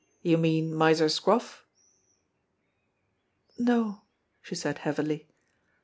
"You mean Miser Scroff?" "No," she said heavily.